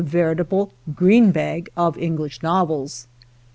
„v£ritable "green bag" of English jiqy ^ els.